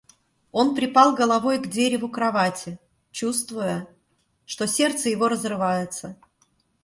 Он припал головой к дереву кровати, чувствуя, что сердце его разрывается.